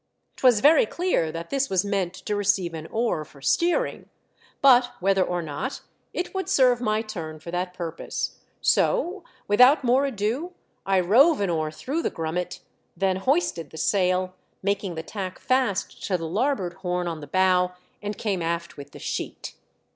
'Twas very clear that this was meant to receive an oar for steering, but whether or not, it would serve my turn for that purpose, so without more ado I rove an oar throuo h the q^rummet, then hoisted the sail, making the tack fast to the larboard horn on the bow, and came aft with the sheet.